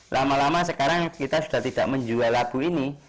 lama lama sekarang kita sudah tidak menjual labu ini